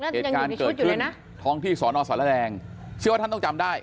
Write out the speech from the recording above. เหตุการณ์เกิดขึ้นท้องที่สอนอสารแดงเชื่อว่าท่านต้องจำได้